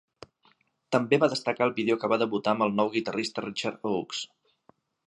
També va destacar el vídeo que va debutar amb el nou guitarrista Richard Oakes.